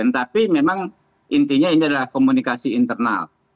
tapi memang intinya ini adalah komunikasi internal